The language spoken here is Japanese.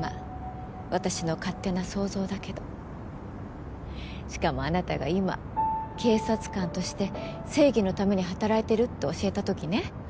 まあ私の勝手な想像だけどしかもあなたが今警察官として正義のために働いてるって教えた時ね